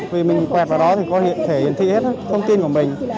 vì mình quẹt vào đó thì có thể hiển thị hết thông tin của mình